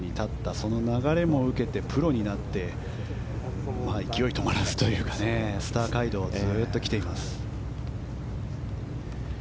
その流れも受けてプロになって勢い止まらずというかスター街道ずっと来ています。